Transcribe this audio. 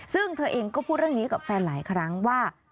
ซึ่งเธอเองก็พูดเรื่องนี้กับแฟนหลายครั้งว่า